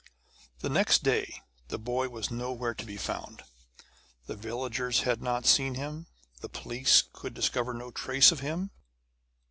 The next day the boy was nowhere to be found. The villagers had not seen him; the police could discover no trace of him.